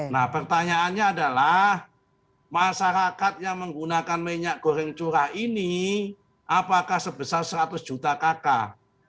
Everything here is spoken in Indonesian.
nah pertanyaannya adalah masyarakat yang menggunakan minyak goreng curah ini apakah sebesar seratus juta kakak